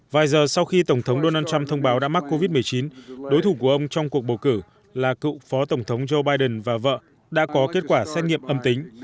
vài giờ sau khi tổng thống donald trump thông báo đã mắc covid một mươi chín đối thủ của ông trong cuộc bầu cử là cựu phó tổng thống joe biden và vợ đã có kết quả xét nghiệm âm tính